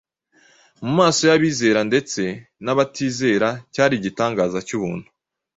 Mu maso y’abizera ndetse n’abatizera cyari igitangaza cy’ubuntu.